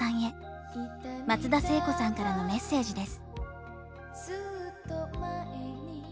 松田聖子さんからのメッセージです。